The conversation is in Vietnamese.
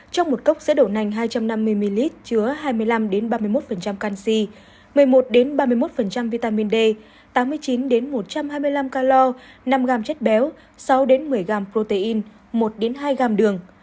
trong một cốc sữa đậu nành hai trăm năm mươi ml chứa hai mươi năm ba mươi một canxi một mươi một ba mươi một vitamin d tám mươi chín một trăm hai mươi năm calo năm g chất béo sáu một mươi g protein một hai g đường